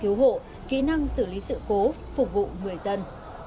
cứu hộ kỹ năng xử lý sự cố phục vụ người dân